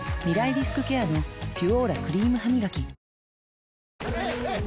リスクケアの「ピュオーラ」クリームハミガキヘイ！